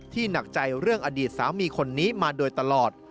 หนักใจเรื่องอดีตสามีคนนี้มาโดยตลอด